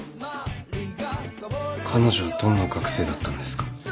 彼女はどんな学生だったんですか？